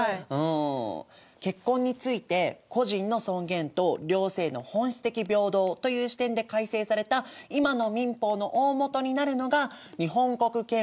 結婚について個人の尊厳と両性の本質的平等という視点で改正された今の民法の大本になるのが日本国憲法第２４条です。